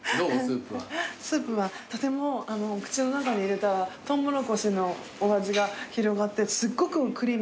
スープはとてもお口の中に入れたらトウモロコシのお味が広がってすっごくクリーミーでおいしいです。